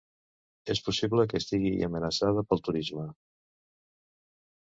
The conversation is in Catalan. És possible que estigui amenaçada pel turisme.